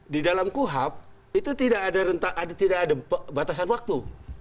di dalam kuhap itu tidak ada batasan waktu